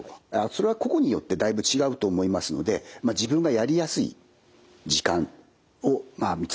それは個々によってだいぶ違うと思いますので自分がやりやすい時間を見積もってやってもらえればと。